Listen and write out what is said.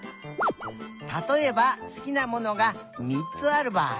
たとえばすきなものがみっつあるばあい。